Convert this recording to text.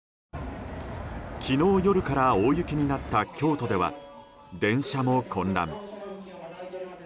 昨日夜から大雪になった京都では電車も混乱。